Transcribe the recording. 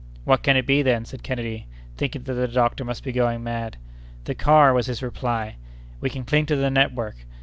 "What can it be, then?" said Kennedy, thinking that the doctor must be going mad. "The car!" was his reply; "we can cling to the network.